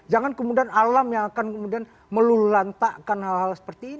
jangan kemudian alam yang akan kemudian melulantakkan hal hal seperti ini